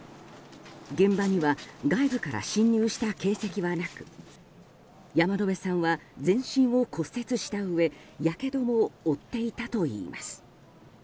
現場には外部から侵入した形跡はなく山野辺さんは全身を骨折したうえやけども負っていたといいます。